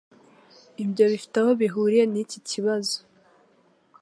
Ibyo bifite aho bihuriye niki kibazo.